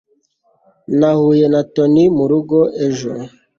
nahuye na tony mu rugo ejo